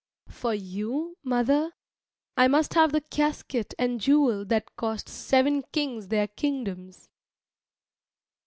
For you, mother, I must have the casket and jewel that cost seven kings their kingdoms.